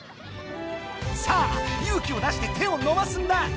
さあ勇気を出して手をのばすんだ！